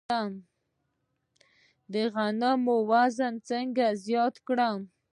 د غنمو وزن څنګه زیات کړم؟